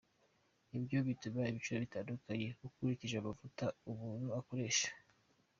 Ibyo bituma ibiciro bitandukana ukurikije amavuta umuntu akoresha.